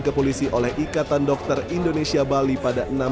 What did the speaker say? ke polisi oleh ikatan dokter indonesia bali pada